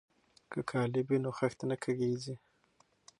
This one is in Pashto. که قالب وي نو خښته نه کږیږي.